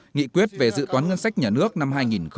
nghị quyết về dự toán ngân sách nhà nước năm hai nghìn hai mươi một